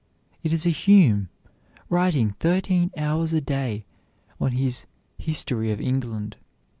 It is a Hume, writing thirteen hours a day on his "History of England."